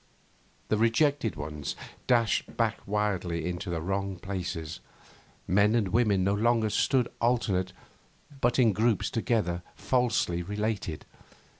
The rejected ones dashed back wildly into the wrong places; men and women no longer stood alternate, but in groups together, falsely related.